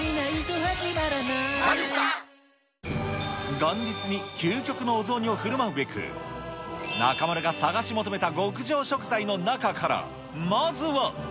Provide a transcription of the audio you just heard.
元日に究極のお雑煮をふるまうべく、中丸が探し求めた極上食材の中から、まずは。